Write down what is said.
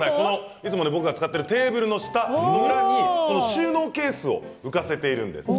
いつも僕が使っているテーブルの下に収納ケースを浮かせているんです。